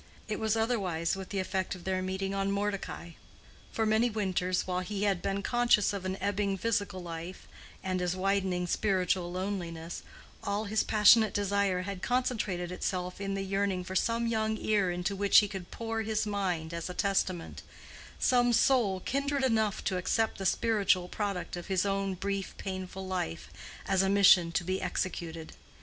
It was otherwise with the effect of their meeting on Mordecai. For many winters, while he had been conscious of an ebbing physical life, and as widening spiritual loneliness, all his passionate desire had concentrated itself in the yearning for some young ear into which he could pour his mind as a testament, some soul kindred enough to accept the spiritual product of his own brief, painful life, as a mission to be executed.